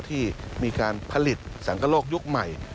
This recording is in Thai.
ที่มีการผลิตสังกโลกยุคใหม่